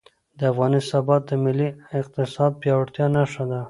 د افغانۍ ثبات د ملي اقتصاد د پیاوړتیا نښه ده.